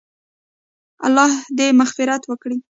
الله دې مغفرت وکړي -